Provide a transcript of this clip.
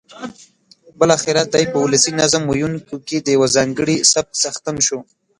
بالاخره دی په ولسي نظم ویونکیو کې د یوه ځانګړي سبک څښتن شو.